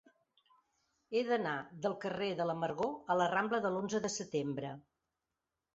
He d'anar del carrer de l'Amargor a la rambla de l'Onze de Setembre.